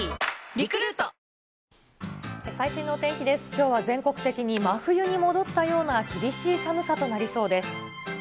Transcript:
きょうは全国的に真冬に戻ったような厳しい寒さとなりそうです。